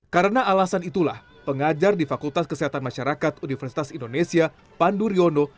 karena alasan itulah pengajar di fakultas kesehatan masyarakat universitas indonesia pandu riono